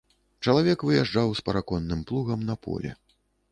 Чалавек выязджаў з параконным плугам на поле.